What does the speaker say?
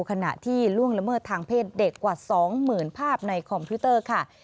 ขณะที่ล่วงละเมิดทางเพศเด็กกว่า๒๐๐๐ภาพในคอมพิวเตอร์ค่ะ